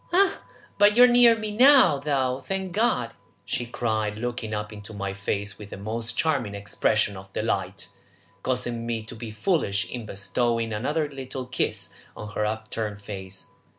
"Ah, but you are near me now, though, thank God!" she cried, looking up into my face with the most charming expression of delight, causing me to be foolish in bestowing another little kiss on her upturned face.